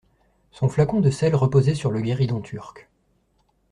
Son flacon de sels reposait sur le guéridon turc.